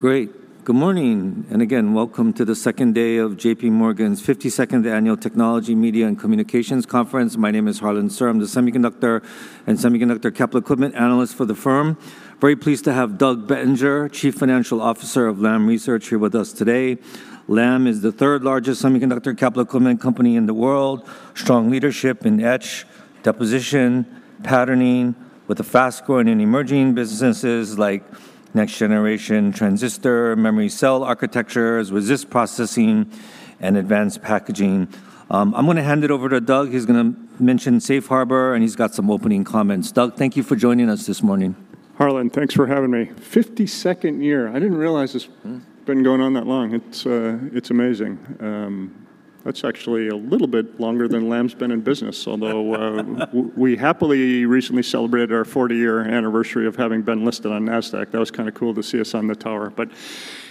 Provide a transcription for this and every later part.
Great. Good morning, and again, welcome to the second day of JPMorgan's 52nd Annual Technology, Media, and Communications Conference. My name is Harlan Sur. I'm the semiconductor and semiconductor capital equipment analyst for the firm. Very pleased to have Doug Bettinger, Chief Financial Officer of Lam Research, here with us today. Lam is the third-largest semiconductor capital equipment company in the world. Strong leadership in etch, deposition, patterning, with the fast-growing and emerging businesses like next-generation transistor, memory cell architectures, resist processing, and advanced packaging. I'm gonna hand it over to Doug. He's gonna mention Safe Harbor, and he's got some opening comments. Doug, thank you for joining us this morning. Harlan, thanks for having me. Fifty-second year, I didn't realize this- Mm-hmm... been going on that long. It's, it's amazing. That's actually a little bit longer than Lam's been in business. Although, we happily recently celebrated our 40-year anniversary of having been listed on Nasdaq. That was kind of cool to see us on the tower. But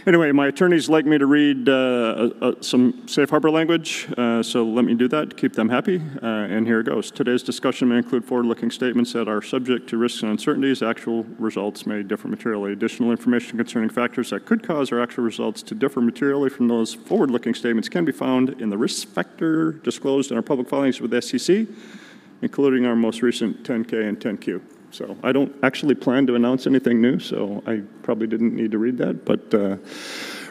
anyway, my attorneys like me to read, some Safe Harbor language, so let me do that to keep them happy. And here it goes: Today's discussion may include forward-looking statements that are subject to risks and uncertainties. Actual results may differ materially. Additional information concerning factors that could cause our actual results to differ materially from those forward-looking statements can be found in the risk factor disclosed in our public filings with the SEC, including our most recent 10-K and 10-Q. So I don't actually plan to announce anything new, so I probably didn't need to read that, but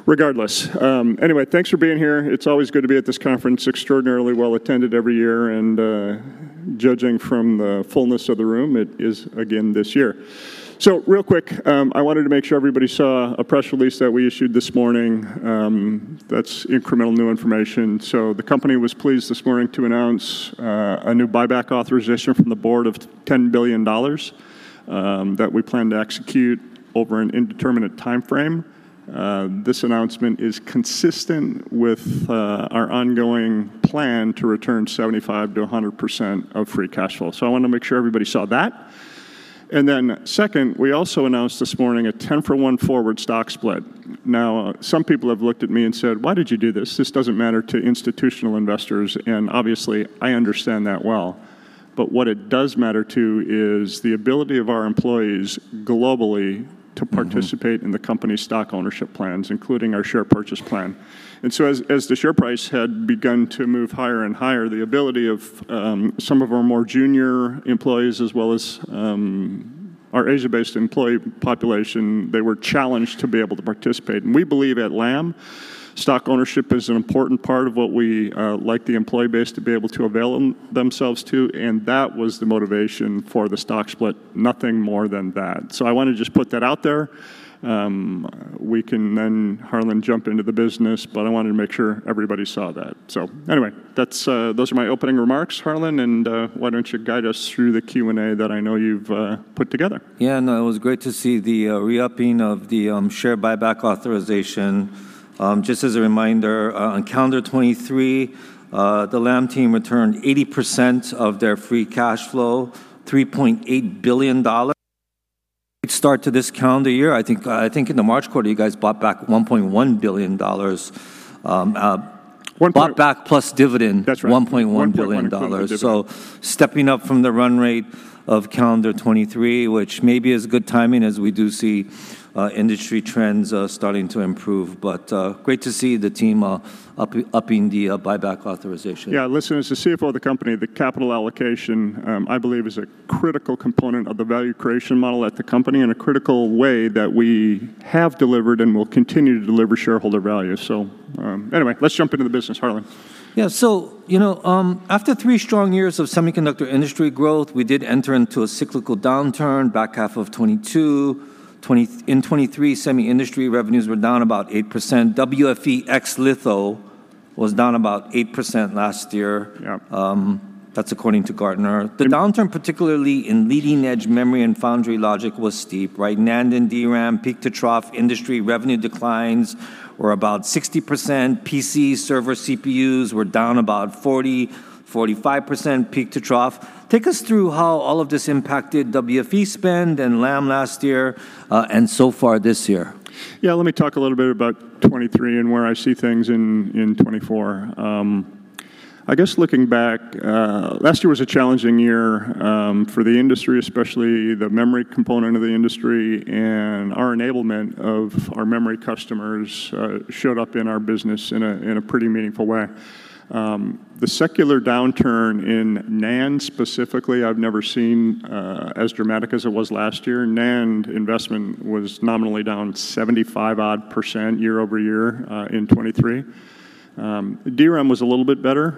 regardless. Anyway, thanks for being here. It's always good to be at this conference, extraordinarily well-attended every year, and judging from the fullness of the room, it is again this year. So real quick, I wanted to make sure everybody saw a press release that we issued this morning, that's incremental new information. So the company was pleased this morning to announce a new buyback authorization from the board of $10 billion, that we plan to execute over an indeterminate timeframe. This announcement is consistent with our ongoing plan to return 75%-100% of free cash flow. So I wanted to make sure everybody saw that. Then second, we also announced this morning a 10-for-1 forward stock split. Now, some people have looked at me and said: "Why did you do this? This doesn't matter to institutional investors." And obviously, I understand that well. But what it does matter to is the ability of our employees globally to participate in the company's stock ownership plans, including our share purchase plan. And so as the share price had begun to move higher and higher, the ability of some of our more junior employees, as well as our Asia-based employee population, they were challenged to be able to participate. And we believe at Lam, stock ownership is an important part of what we like the employee base to be able to avail themselves to, and that was the motivation for the stock split, nothing more than that. So I want to just put that out there. We can then, Harlan, jump into the business, but I wanted to make sure everybody saw that. So anyway, that's those are my opening remarks, Harlan, and why don't you guide us through the Q&A that I know you've put together? Yeah, no, it was great to see the re-upping of the share buyback authorization. Just as a reminder, on calendar 2023, the Lam team returned 80% of their free cash flow, $3.8 billion. Start to this calendar year, I think, I think in the March quarter, you guys bought back $1.1 billion. Bought back plus dividend- That's right... $1.1 billion. So stepping up from the run rate of calendar 2023, which may be as good timing as we do see, industry trends starting to improve. But, great to see the team upping the buyback authorization. Yeah, listen, as the CFO of the company, the capital allocation, I believe, is a critical component of the value creation model at the company and a critical way that we have delivered and will continue to deliver shareholder value. So, anyway, let's jump into the business, Harlan. Yeah, so, you know, after three strong years of semiconductor industry growth, we did enter into a cyclical downturn back half of 2022. In 2023, semi industry revenues were down about 8%. WFE ex-litho was down about 8% last year. Yeah. That's according to Gartner. The downturn, particularly in leading-edge memory and foundry logic, was steep, right? NAND and DRAM, peak-to-trough industry revenue declines were about 60%. PC server CPUs were down about 40%-45%, peak to trough. Take us through how all of this impacted WFE spend and Lam last year, and so far this year. Yeah, let me talk a little bit about 2023 and where I see things in 2024. I guess looking back, last year was a challenging year for the industry, especially the memory component of the industry, and our enablement of our memory customers showed up in our business in a pretty meaningful way. The secular downturn in NAND specifically, I've never seen as dramatic as it was last year. NAND investment was nominally down 75-odd% year-over-year in 2023. DRAM was a little bit better,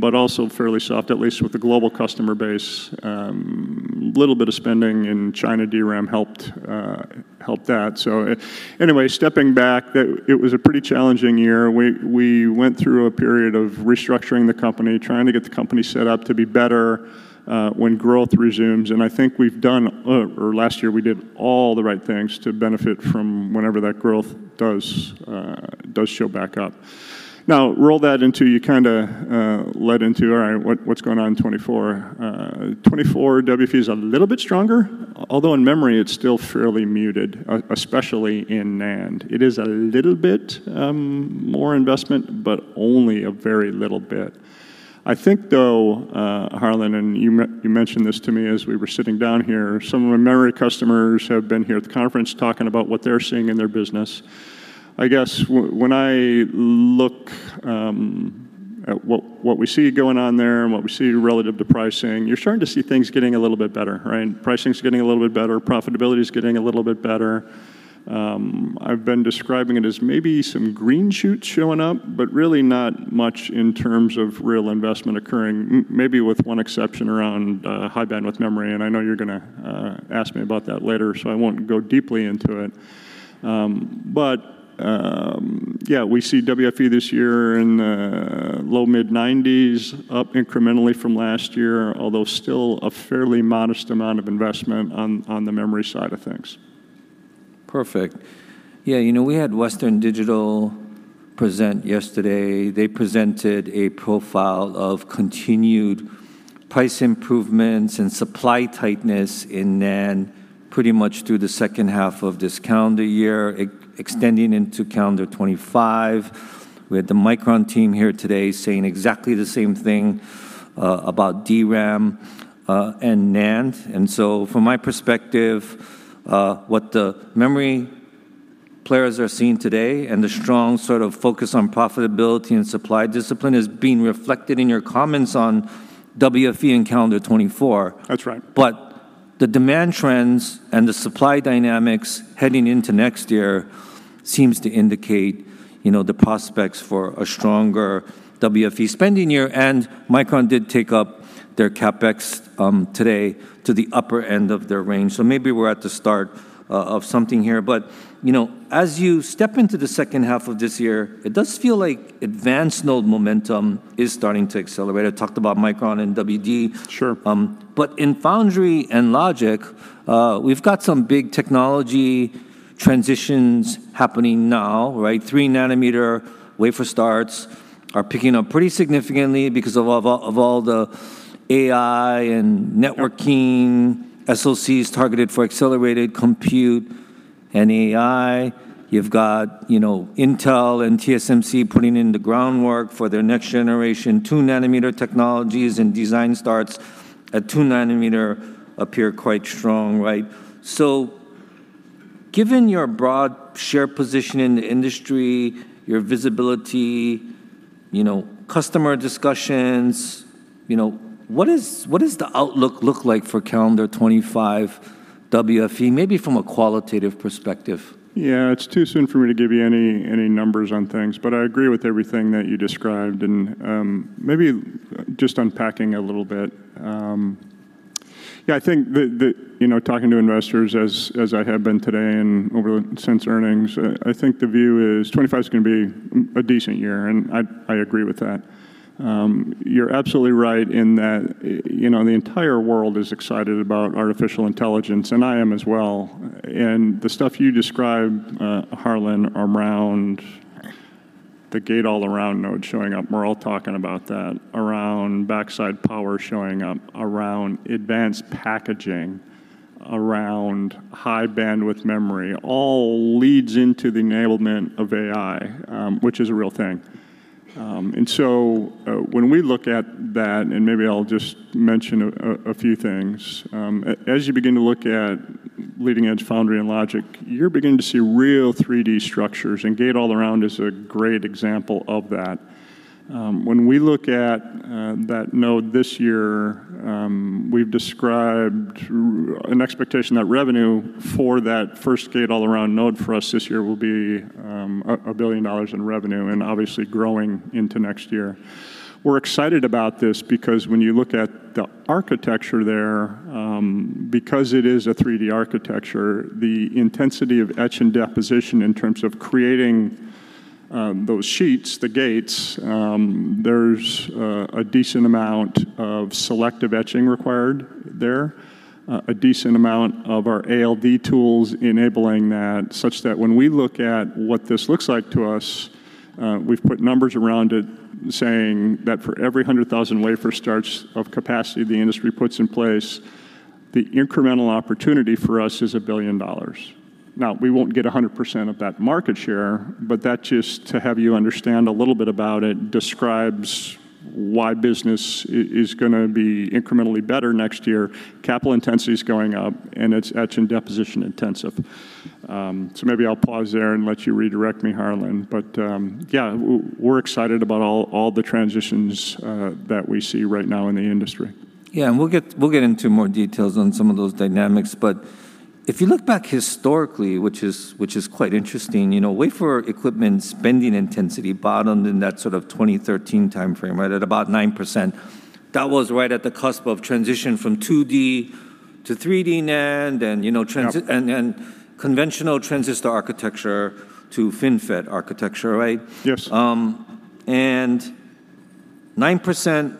but also fairly soft, at least with the global customer base. Little bit of spending in China DRAM helped that. So anyway, stepping back, it was a pretty challenging year. We went through a period of restructuring the company, trying to get the company set up to be better when growth resumes, and I think we've done, or last year, we did all the right things to benefit from whenever that growth does show back up. Now, roll that into you kinda led into, all right, what, what's going on in 2024? 2024, WFE is a little bit stronger, although in memory, it's still fairly muted, especially in NAND. It is a little bit more investment, but only a very little bit. I think, though, Harlan, and you mentioned this to me as we were sitting down here, some of our memory customers have been here at the conference talking about what they're seeing in their business. I guess when I look at what we see going on there and what we see relative to pricing, you're starting to see things getting a little bit better, right? Pricing's getting a little bit better, profitability is getting a little bit better. I've been describing it as maybe some green shoots showing up, but really not much in terms of real investment occurring, maybe with one exception around high bandwidth memory, and I know you're gonna ask me about that later, so I won't go deeply into it. But yeah, we see WFE this year in low- to mid-90s, up incrementally from last year, although still a fairly modest amount of investment on the memory side of things. Perfect. Yeah, you know, we had Western Digital present yesterday. They presented a profile of continued price improvements and supply tightness in NAND pretty much through the second half of this calendar year, extending into calendar 2025. We had the Micron team here today saying exactly the same thing about DRAM and NAND. And so from my perspective, what the memory players are seeing today and the strong sort of focus on profitability and supply discipline is being reflected in your comments on WFE in calendar 2024. That's right. But the demand trends and the supply dynamics heading into next year seems to indicate, you know, the prospects for a stronger WFE spending year, and Micron did take up their CapEx today to the upper end of their range. So maybe we're at the start of something here. But, you know, as you step into the second half of this year, it does feel like advanced node momentum is starting to accelerate. I talked about Micron and WD. Sure. But in foundry and logic, we've got some big technology transitions happening now, right? 3-nanometer wafer starts are picking up pretty significantly because of all, of all the AI and networking SoCs targeted for accelerated compute and AI. You've got, you know, Intel and TSMC putting in the groundwork for their next generation 2-nanometer technologies, and design starts at 2-nanometer appear quite strong, right? So given your broad share position in the industry, your visibility, you know, customer discussions, you know, what is, what does the outlook look like for calendar 2025 WFE, maybe from a qualitative perspective? Yeah, it's too soon for me to give you any numbers on things, but I agree with everything that you described. And maybe just unpacking a little bit, yeah, I think that you know, talking to investors as I have been today and over the since earnings, I think the view is '25 is going to be a decent year, and I agree with that. You're absolutely right in that you know, the entire world is excited about artificial intelligence, and I am as well. And the stuff you described, Harlan, around the Gate-All-Around node showing up, we're all talking about that, around backside power showing up, around advanced packaging, around high bandwidth memory, all leads into the enablement of AI, which is a real thing. And so, when we look at that, and maybe I'll just mention a few things, as you begin to look at leading-edge foundry and logic, you're beginning to see real 3D structures, and Gate-All-Around is a great example of that. When we look at that node this year, we've described an expectation that revenue for that first Gate-All-Around node for us this year will be a billion dollars in revenue, and obviously growing into next year. We're excited about this because when you look at the architecture there, because it is a 3D architecture, the intensity of etch and deposition in terms of creating those sheets, the gates, there's a decent amount of selective etching required there, a decent amount of our ALD tools enabling that, such that when we look at what this looks like to us, we've put numbers around it saying that for every 100,000 wafer starts of capacity the industry puts in place, the incremental opportunity for us is a billion dollars. Now, we won't get 100% of that market share, but that, just to have you understand a little bit about it, describes why business is gonna be incrementally better next year. Capital intensity is going up, and it's etch and deposition intensive. So maybe I'll pause there and let you redirect me, Harlan, but yeah, we're excited about all, all the transitions that we see right now in the industry. Yeah, and we'll get into more details on some of those dynamics. But if you look back historically, which is quite interesting, you know, wafer equipment spending intensity bottomed in that sort of 2013 timeframe, right at about 9%. That was right at the cusp of transition from 2D to 3D NAND, and, you know, transi- and conventional transistor architecture to FinFET architecture, right? Yes. And 9%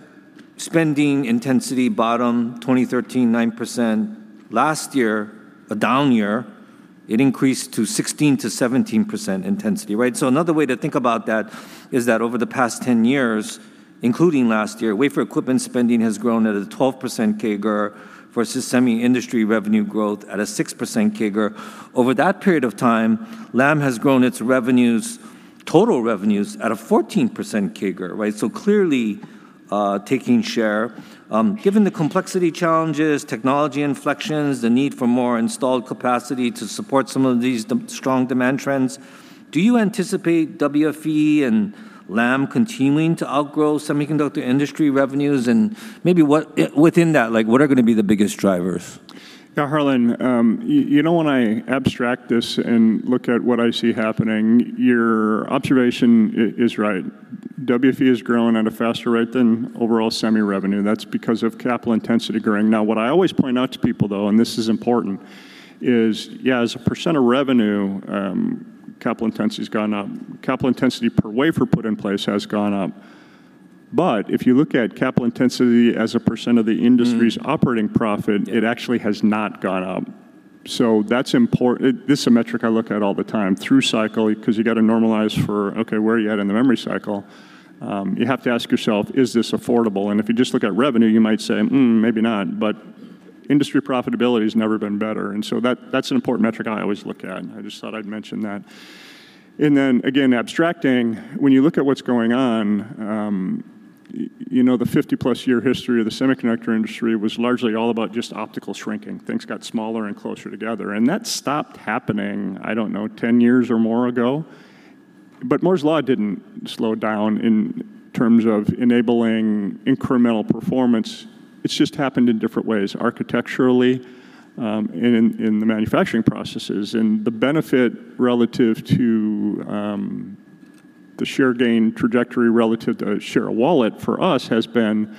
spending intensity bottom, 2013, 9%. Last year, a down year, it increased to 16%-17% intensity, right? So another way to think about that is that over the past 10 years, including last year, wafer equipment spending has grown at a 12% CAGR versus semi industry revenue growth at a 6% CAGR. Over that period of time, Lam has grown its total revenues at a 14% CAGR, right? So clearly, taking share. Given the complexity challenges, technology inflections, the need for more installed capacity to support some of these strong demand trends, do you anticipate WFE and Lam continuing to outgrow semiconductor industry revenues? And maybe what, within that, like, what are going to be the biggest drivers? Yeah, Harlan, you know, when I abstract this and look at what I see happening, your observation is right. WFE is growing at a faster rate than overall semi revenue, that's because of capital intensity growing. Now, what I always point out to people though, and this is important, is, yeah, as a percent of revenue, capital intensity's gone up. Capital intensity per wafer put in place has gone up. But if you look at capital intensity as a percent of the industry's- Mm-hmm... operating profit, it actually has not gone up. So that's important. This is a metric I look at all the time through cycle, 'cause you got to normalize for, okay, where are you at in the memory cycle? You have to ask yourself, "Is this affordable?" And if you just look at revenue, you might say, "Hmm, maybe not," but industry profitability has never been better, and so that, that's an important metric I always look at, and I just thought I'd mention that. And then again, abstracting, when you look at what's going on, you know, the 50-plus year history of the semiconductor industry was largely all about just optical shrinking. Things got smaller and closer together, and that stopped happening, I don't know, 10 years or more ago. But Moore's Law didn't slow down in terms of enabling incremental performance. It's just happened in different ways, architecturally, and in the manufacturing processes. The benefit relative to the share gain trajectory relative to share of wallet for us has been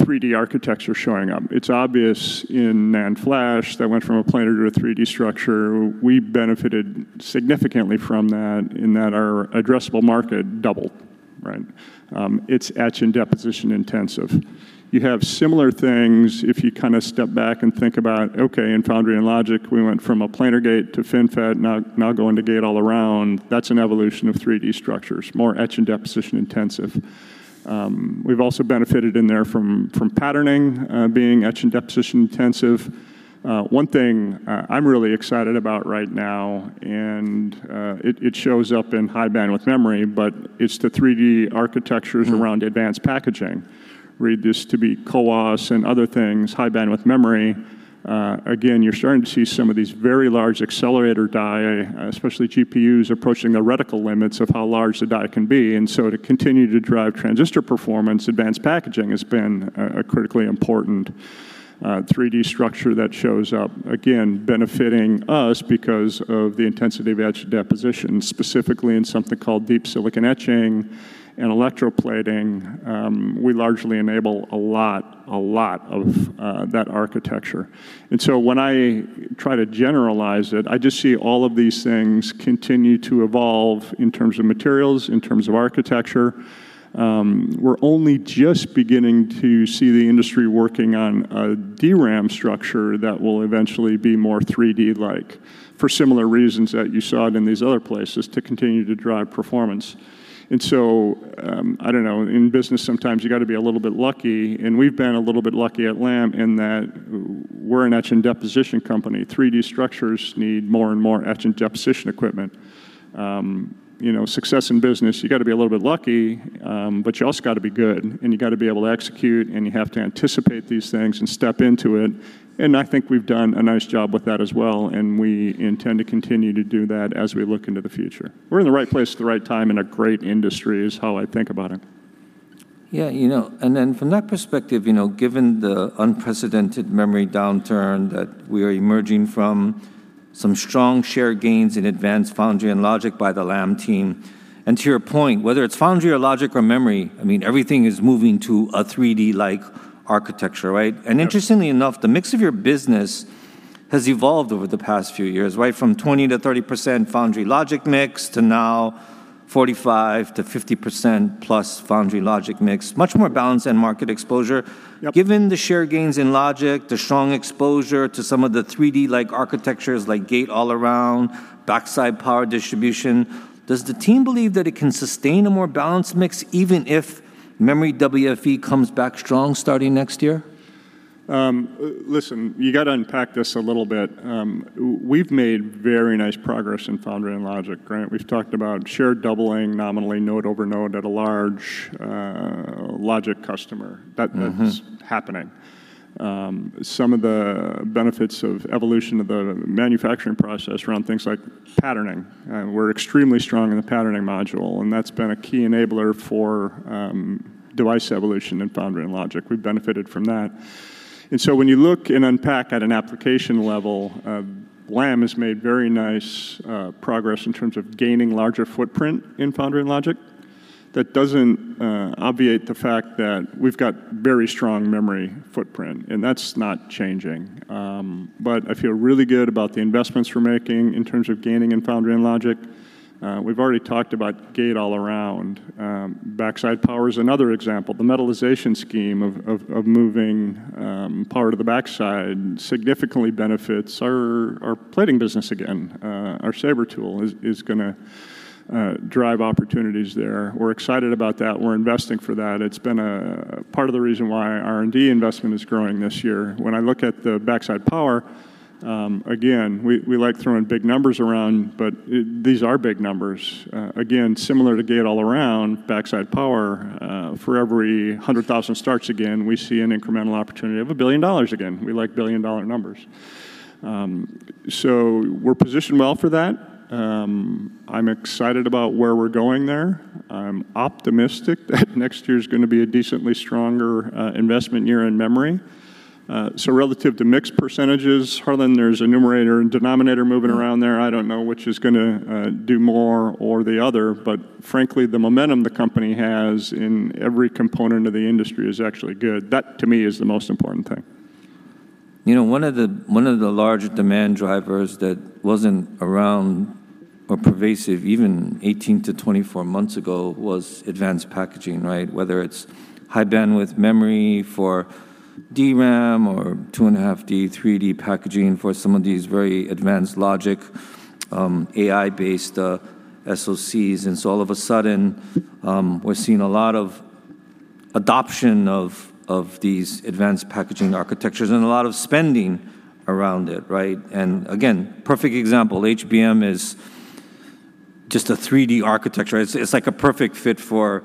3D architecture showing up. It's obvious in NAND flash that went from a planar to a 3D structure. We benefited significantly from that, in that our addressable market doubled, right? It's etch and deposition intensive. You have similar things if you kind of step back and think about, okay, in foundry and logic, we went from a planar gate to FinFET, now going to gate all around. That's an evolution of 3D structures, more etch and deposition intensive. We've also benefited in there from patterning being etch and deposition intensive. One thing, I'm really excited about right now, and it shows up in high bandwidth memory, but it's the 3D architectures- Mm-hmm... around advanced packaging. Reduced to be CoWoS and other things, high bandwidth memory. Again, you're starting to see some of these very large accelerator die, especially GPUs, approaching the reticle limits of how large the die can be. And so to continue to drive transistor performance, advanced packaging has been a critically important 3D structure that shows up, again, benefiting us because of the intensity of etch deposition, specifically in something called deep silicon etching and electroplating. We largely enable a lot of that architecture. And so when I try to generalize it, I just see all of these things continue to evolve in terms of materials, in terms of architecture. We're only just beginning to see the industry working on a DRAM structure that will eventually be more 3D-like, for similar reasons that you saw it in these other places, to continue to drive performance. And so, I don't know, in business, sometimes you got to be a little bit lucky, and we've been a little bit lucky at Lam in that we're an etch and deposition company. 3D structures need more and more etch and deposition equipment. You know, success in business, you got to be a little bit lucky, but you also got to be good, and you got to be able to execute, and you have to anticipate these things and step into it, and I think we've done a nice job with that as well, and we intend to continue to do that as we look into the future. We're in the right place at the right time in a great industry, is how I think about it. Yeah, you know, and then from that perspective, you know, given the unprecedented memory downturn that we are emerging from, some strong share gains in advanced foundry and logic by the Lam team. To your point, whether it's foundry or logic or memory, I mean, everything is moving to a 3D-like architecture, right? Yeah. Interestingly enough, the mix of your business has evolved over the past few years, right? From 20%-30% foundry logic mix, to now 45%-50%+ foundry logic mix. Much more balanced end market exposure. Yep. Given the share gains in logic, the strong exposure to some of the 3D-like architectures, like gate-all-around, backside power distribution, does the team believe that it can sustain a more balanced mix, even if memory WFE comes back strong starting next year? Listen, you got to unpack this a little bit. We've made very nice progress in foundry and logic, right? We've talked about share doubling nominally node over node at a large logic customer. Mm-hmm. That is happening. Some of the benefits of evolution of the manufacturing process around things like patterning, and we're extremely strong in the patterning module, and that's been a key enabler for device evolution in foundry and logic. We've benefited from that. And so when you look and unpack at an application level, Lam has made very nice progress in terms of gaining larger footprint in foundry and logic. That doesn't obviate the fact that we've got very strong memory footprint, and that's not changing. But I feel really good about the investments we're making in terms of gaining in foundry and logic. We've already talked about gate all around. Backside power is another example. The metallization scheme of moving power to the backside significantly benefits our plating business again. Our Sabre tool is gonna drive opportunities there. We're excited about that. We're investing for that. It's been a part of the reason why R&D investment is growing this year. When I look at the backside power, again, we like throwing big numbers around, but these are big numbers. Again, similar to gate all around, backside power, for every 100,000 starts again, we see an incremental opportunity of a billion dollar again. We like billion-dollar numbers. So we're positioned well for that. I'm excited about where we're going there. I'm optimistic that next year is gonna be a decently stronger investment year in memory. So relative to mix percentages, Harlan, there's a numerator and denominator moving around there. I don't know which is gonna do more or the other, but frankly, the momentum the company has in every component of the industry is actually good. That, to me, is the most important thing. You know, one of the, one of the large demand drivers that wasn't around or pervasive even 18-24 months ago was advanced packaging, right? Whether it's high bandwidth memory for DRAM or 2.5D, 3D packaging for some of these very advanced logic, AI-based SoCs. And so all of a sudden, we're seeing a lot of adoption of these advanced packaging architectures and a lot of spending around it, right? And again, perfect example, HBM is just a 3D architecture. It's like a perfect fit for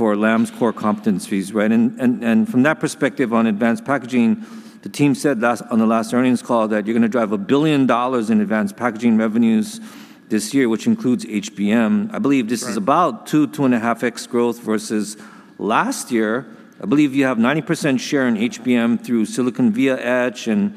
Lam's core competencies, right? And from that perspective on advanced packaging, the team said on the last earnings call that you're gonna drive a billion dollars in advanced packaging revenues this year, which includes HBM. Right. I believe this is about 2 -2.5x growth versus last year. I believe you have 90% share in HBM through-silicon via etch and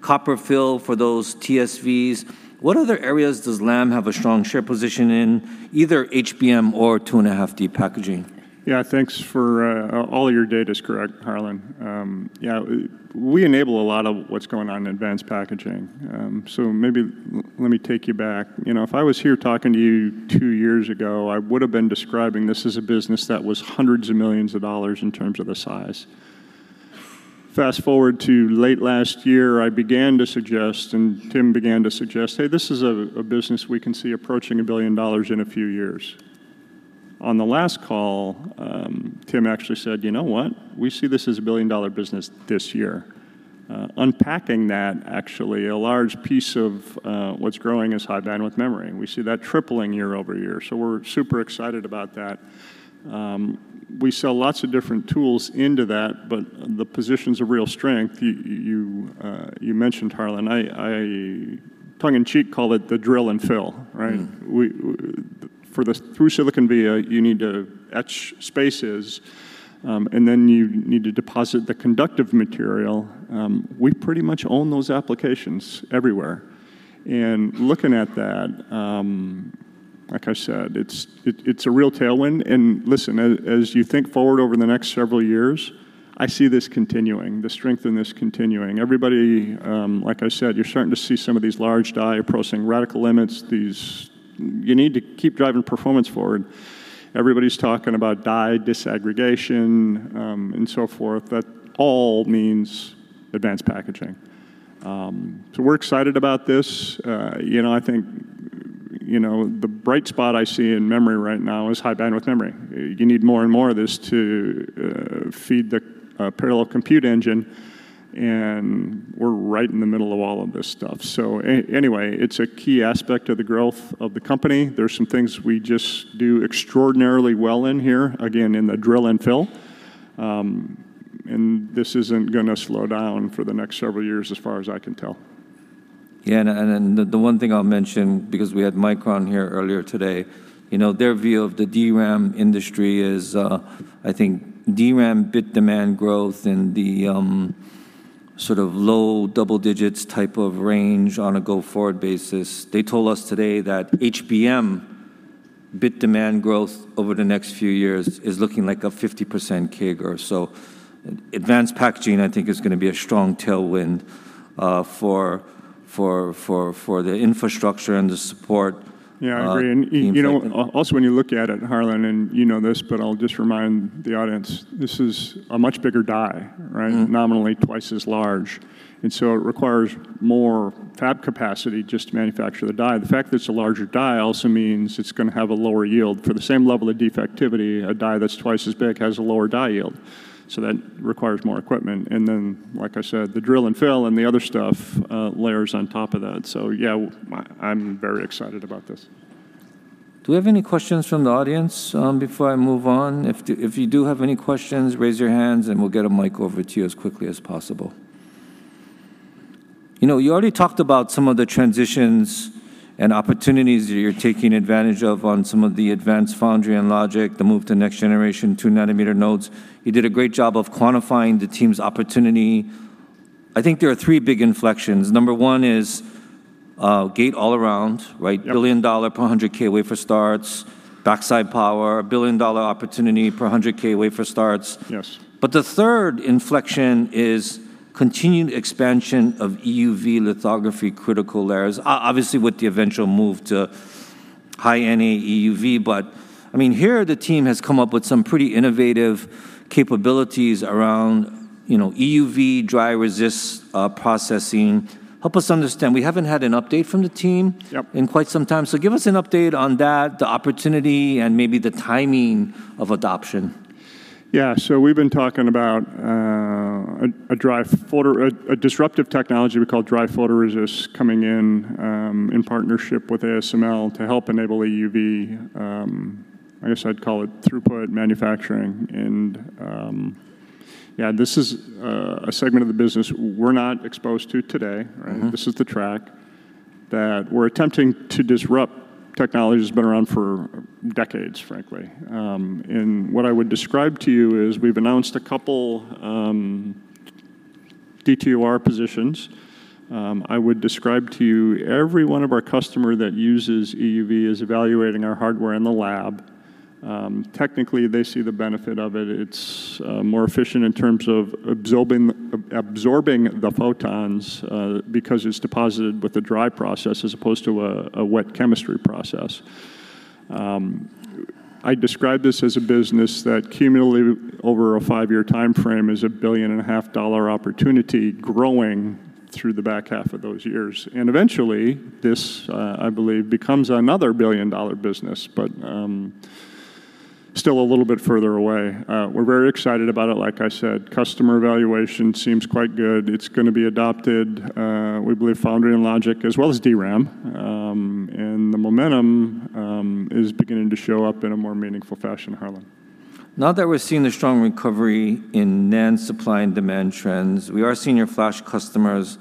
copper fill for those TSVs. What other areas does Lam have a strong share position in, either HBM or 2.5D packaging? Yeah, thanks for... All your data is correct, Harlan. Yeah, we enable a lot of what's going on in advanced packaging. So maybe let me take you back. You know, if I was here talking to you two years ago, I would have been describing this as a business that was hundreds of millions of hours in terms of the size. Fast-forward to late last year, I began to suggest, and Tim began to suggest, "Hey, this is a business we can see approaching a billion dollars in a few years." On the last call, Tim actually said: "You know what? We see this as a billion-dollar business this year." Unpacking that, actually, a large piece of what's growing is high bandwidth memory. We see that tripling year-over-year, so we're super excited about that. We sell lots of different tools into that, but the positions of real strength you mentioned, Harlan, I tongue in cheek call it the drill and fill, right? Mm. For the through-silicon via, you need to etch spaces, and then you need to deposit the conductive material. We pretty much own those applications everywhere. And looking at that, like I said, it's a real tailwind. And listen, as you think forward over the next several years, I see this continuing, the strength in this continuing. Everybody, like I said, you're starting to see some of these large die approaching radical limits. You need to keep driving performance forward. Everybody's talking about die disaggregation, and so forth. That all means advanced packaging. So we're excited about this. You know, I think, you know, the bright spot I see in memory right now is high bandwidth memory. You need more and more of this to feed the parallel compute engine, and we're right in the middle of all of this stuff. So anyway, it's a key aspect of the growth of the company. There's some things we just do extraordinarily well in here, again, in the drill and fill. And this isn't gonna slow down for the next several years, as far as I can tell. Yeah, and the one thing I'll mention, because we had Micron here earlier today, you know, their view of the DRAM industry is, I think DRAM bit demand growth in the sort of low double digits type of range on a go-forward basis. They told us today that HBM bit demand growth over the next few years is looking like a 50% CAGR. So advanced packaging, I think, is gonna be a strong tailwind for the infrastructure and the support. Yeah, I agree. You know- You know, also, when you look at it, Harlan, and you know this, but I'll just remind the audience, this is a much bigger die, right? Mm. Nominally, twice as large. And so it requires more fab capacity just to manufacture the die. The fact that it's a larger die also means it's gonna have a lower yield. For the same level of defectivity, a die that's twice as big has a lower die yield, so that requires more equipment. And then, like I said, the drill and fill and the other stuff layers on top of that. So yeah, I'm very excited about this. Do we have any questions from the audience, before I move on? If you do have any questions, raise your hands, and we'll get a mic over to you as quickly as possible. You know, you already talked about some of the transitions and opportunities that you're taking advantage of on some of the advanced foundry and logic, the move to next generation, 2-nanometer nodes. You did a great job of quantifying the team's opportunity. I think there are 3 big inflections. Number one is, gate all around, right? Yep. a billion dollar per $100,000 wafer starts, backside power, a billion dollar opportunity per $100,000 wafer starts. Yes. But the third inflection is continued expansion of EUV lithography critical layers, obviously, with the eventual move to high-NA EUV. But I mean, here, the team has come up with some pretty innovative capabilities around, you know, EUV, dry resist processing. Help us understand. We haven't had an update from the team- Yep... in quite some time. So give us an update on that, the opportunity, and maybe the timing of adoption. Yeah. So we've been talking about a disruptive technology we call dry photoresist coming in in partnership with ASML to help enable EUV. I guess I'd call it throughput manufacturing. Yeah, this is a segment of the business we're not exposed to today, right? Mm-hmm. This is the track that we're attempting to disrupt technology that's been around for decades, frankly. And what I would describe to you is we've announced a couple, PTOR positions. I would describe to you every one of our customer that uses EUV is evaluating our hardware in the lab. Technically, they see the benefit of it. It's more efficient in terms of absorbing the photons because it's deposited with a dry process as opposed to a wet chemistry process. I describe this as a business that cumulatively, over a 5-year timeframe, is a $1.5 billion opportunity growing through the back half of those years. And eventually, this, I believe, becomes another billion-dollar business, but still a little bit further away. We're very excited about it, like I said. Customer evaluation seems quite good. It's gonna be adopted, we believe foundry and logic, as well as DRAM. The momentum is beginning to show up in a more meaningful fashion, Harlan. Now that we're seeing a strong recovery in NAND supply and demand trends, we are seeing your flash customers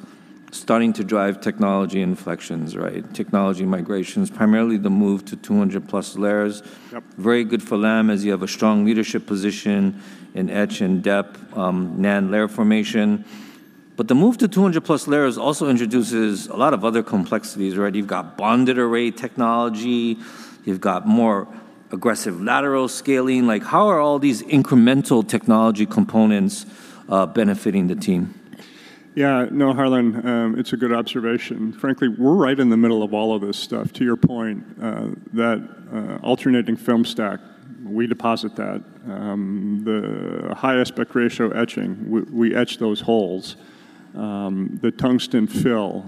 starting to drive technology inflections, right? Technology migrations, primarily the move to 200+ layers. Yep. Very good for Lam, as you have a strong leadership position in etch and dep, NAND layer formation. But the move to 200+ layers also introduces a lot of other complexities, right? You've got bonded array technology, you've got more aggressive lateral scaling. Like, how are all these incremental technology components benefiting the team? Yeah. No, Harlan, it's a good observation. Frankly, we're right in the middle of all of this stuff. To your point, that alternating film stack, we deposit that. The high aspect ratio etching, we etch those holes. The tungsten fill,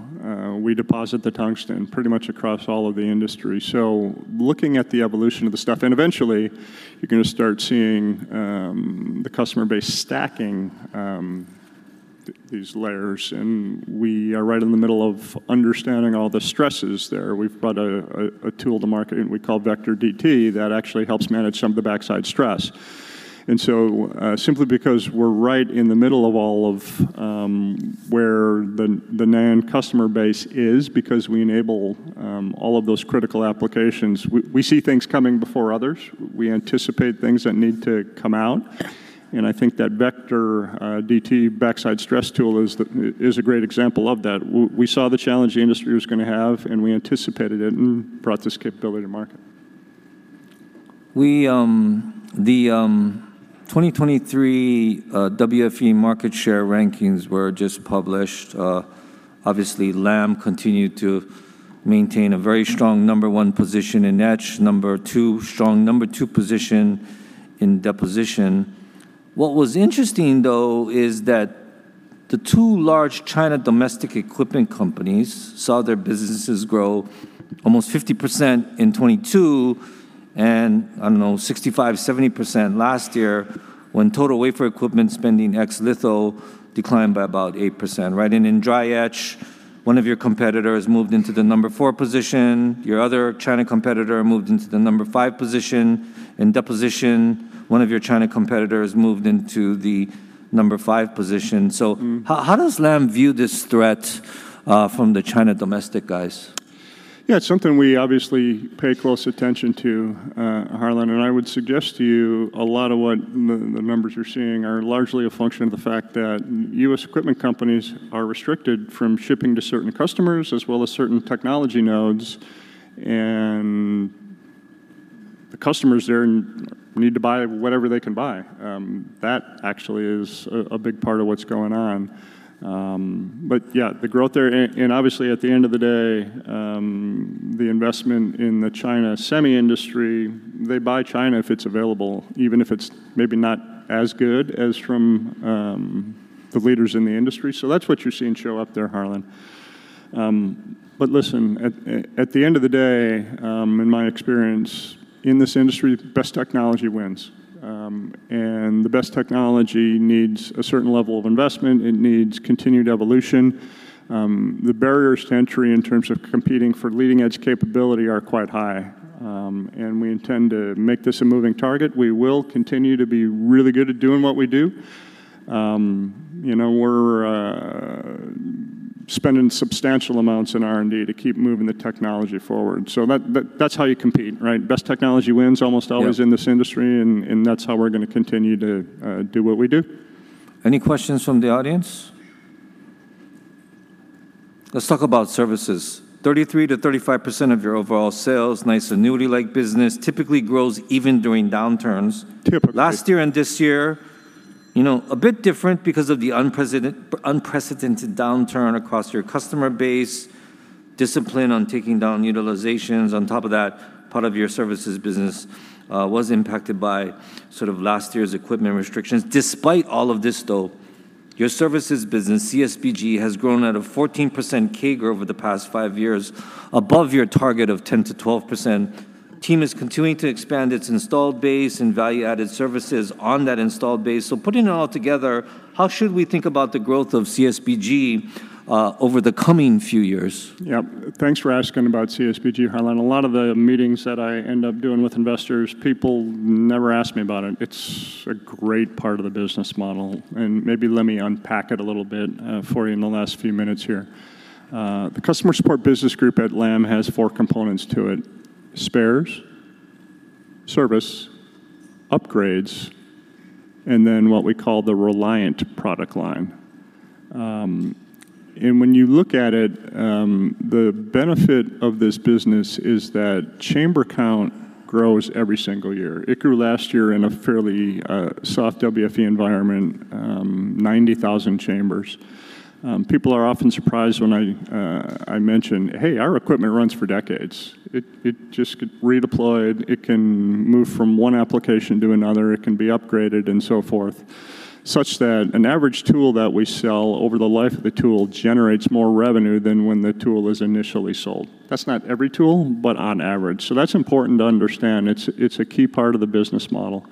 we deposit the tungsten pretty much across all of the industry. So looking at the evolution of the stuff and eventually, you're gonna start seeing, the customer base stacking, these layers, and we are right in the middle of understanding all the stresses there. We've brought a tool to market we call Vector DT that actually helps manage some of the backside stress. And so, simply because we're right in the middle of all of where the NAND customer base is, because we enable all of those critical applications, we see things coming before others. We anticipate things that need to come out, and I think that Vector DT backside stress tool is a great example of that. We saw the challenge the industry was gonna have, and we anticipated it and brought this capability to market. We, the 2023 WFE market share rankings were just published. Obviously, Lam continued to maintain a very strong number one position in etch, number two, strong number two position in deposition. What was interesting, though, is that the two large China domestic equipment companies saw their businesses grow almost 50% in 2022, and, I don't know, 65%-70% last year, when total wafer equipment spending ex litho declined by about 8%, right? In dry etch, one of your competitors moved into the number four position. Your other China competitor moved into the number five position. In deposition, one of your China competitors moved into the number five position. Mm-hmm. So, how does Lam view this threat from the China domestic guys? Yeah, it's something we obviously pay close attention to, Harlan, and I would suggest to you a lot of what the numbers you're seeing are largely a function of the fact that U.S. equipment companies are restricted from shipping to certain customers as well as certain technology nodes, and the customers there need to buy whatever they can buy. That actually is a big part of what's going on. But yeah, the growth there, and obviously, at the end of the day, the investment in the China semi industry, they buy China if it's available, even if it's maybe not as good as from the leaders in the industry. So that's what you're seeing show up there, Harlan. But listen, at the end of the day, in my experience in this industry, the best technology wins. And the best technology needs a certain level of investment. It needs continued evolution. The barriers to entry in terms of competing for leading-edge capability are quite high, and we intend to make this a moving target. We will continue to be really good at doing what we do. You know, we're spending substantial amounts in R&D to keep moving the technology forward. So that's how you compete, right? Best technology wins almost always- Yeah... in this industry, and that's how we're gonna continue to do what we do. Any questions from the audience? Let's talk about services. 33%-35% of your overall sales, nice annuity-like business, typically grows even during downturns. Typically. Last year and this year, you know, a bit different because of the unprecedented downturn across your customer base, discipline on taking down utilizations. On top of that, part of your services business was impacted by sort of last year's equipment restrictions. Despite all of this, though, your services business, CSBG, has grown at a 14% CAGR over the past 5 years, above your target of 10%-12%. Team is continuing to expand its installed base and value-added services on that installed base. So putting it all together... How should we think about the growth of CSBG over the coming few years? Yeah, thanks for asking about CSBG, Harlan. A lot of the meetings that I end up doing with investors, people never ask me about it. It's a great part of the business model, and maybe let me unpack it a little bit for you in the last few minutes here. The Customer Support Business Group at Lam has four components to it: spares, service, upgrades, and then what we call the Reliant product line. And when you look at it, the benefit of this business is that chamber count grows every single year. It grew last year in a fairly soft WFE environment, 90,000 chambers. People are often surprised when I mention, "Hey, our equipment runs for decades." It just gets redeployed. It can move from one application to another, it can be upgraded, and so forth, such that an average tool that we sell over the life of the tool generates more revenue than when the tool is initially sold. That's not every tool, but on average. So that's important to understand. It's a key part of the business model.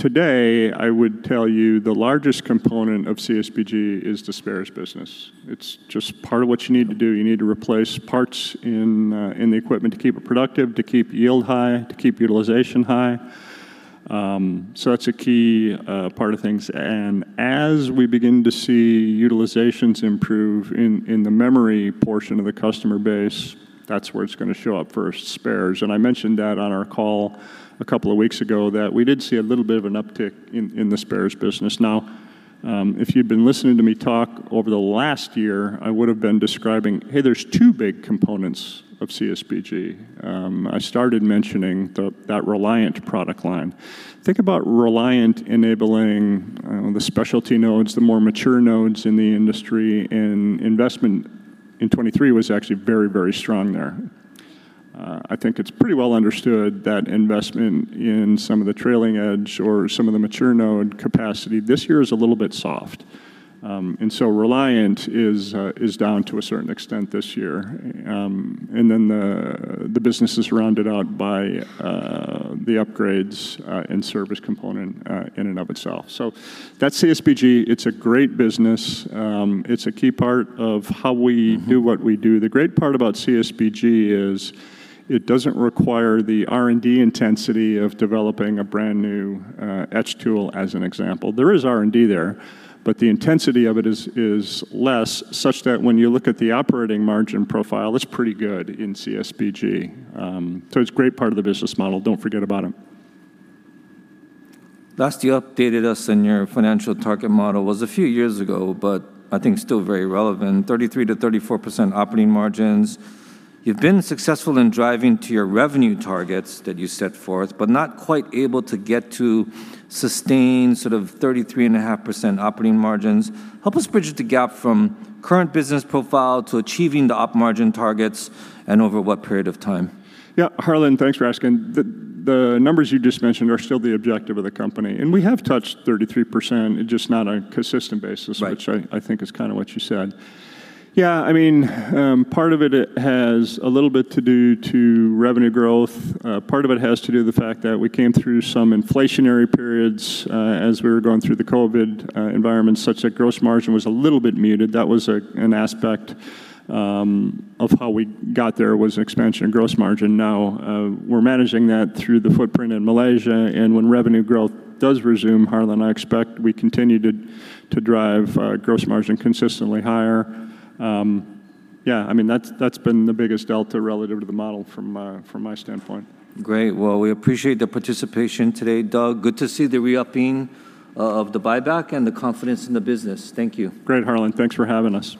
Today, I would tell you the largest component of CSBG is the spares business. It's just part of what you need to do. You need to replace parts in the equipment to keep it productive, to keep yield high, to keep utilization high. So that's a key part of things, and as we begin to see utilizations improve in the memory portion of the customer base, that's where it's gonna show up first, spares. And I mentioned that on our call a couple of weeks ago, that we did see a little bit of an uptick in the spares business. Now, if you'd been listening to me talk over the last year, I would've been describing, "Hey, there's two big components of CSBG." I started mentioning the Reliant product line. Think about Reliant enabling the specialty nodes, the more mature nodes in the industry, and investment in 2023 was actually very, very strong there. I think it's pretty well understood that investment in some of the trailing edge or some of the mature node capacity this year is a little bit soft. And so Reliant is down to a certain extent this year. And then the business is rounded out by the upgrades and service component in and of itself. That's CSBG. It's a great business. It's a key part of how we do what we do. The great part about CSBG is it doesn't require the R&D intensity of developing a brand-new etch tool, as an example. There is R&D there, but the intensity of it is less, such that when you look at the operating margin profile, it's pretty good in CSBG. So it's a great part of the business model. Don't forget about them. Last time you updated us on your financial target model was a few years ago, but I think it's still very relevant, 33%-34% operating margins. You've been successful in driving to your revenue targets that you set forth, but not quite able to get to sustain sort of 33.5% operating margins. Help us bridge the gap from current business profile to achieving the op margin targets, and over what period of time? Yeah, Harlan, thanks for asking. The numbers you just mentioned are still the objective of the company, and we have touched 33%, just not on a consistent basis- Right.... which I, I think is kinda what you said. Yeah, I mean, part of it, it has a little bit to do to revenue growth. Part of it has to do with the fact that we came through some inflationary periods, as we were going through the COVID environment, such that gross margin was a little bit muted. That was a, an aspect, of how we got there, was expansion in gross margin. Now, we're managing that through the footprint in Malaysia, and when revenue growth does resume, Harlan, I expect we continue to, to drive, gross margin consistently higher. Yeah, I mean, that's, that's been the biggest delta relative to the model from, from my standpoint. Great. Well, we appreciate the participation today, Doug. Good to see the re-upping of the buyback and the confidence in the business. Thank you. Great, Harlan. Thanks for having us.